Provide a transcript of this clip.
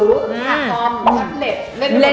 มีอากออมมักเล็ก